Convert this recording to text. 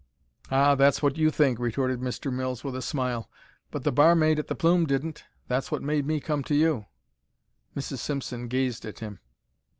"Ah, that's what you think," retorted Mr. Mills, with a smile; "but the barmaid at the Plume didn't. That's what made me come to you." Mrs. Simpson gazed at him.